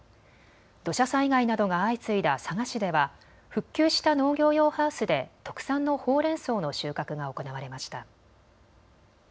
土砂災害などが相次いだ佐賀市では復旧した農業用ハウスで特産のほうれんそうの収穫が行われました。